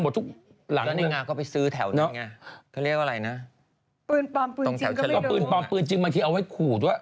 พูดพอปืนปลอมปืนจริงมาที่เอาให้ขู่ด้วย